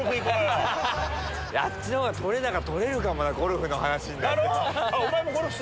あっちのほうが撮れ高とれるかもゴルフの話になって。